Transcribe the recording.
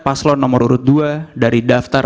paslon nomor urut dua dari daftar